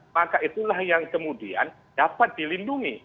maka itulah yang kemudian dapat dilindungi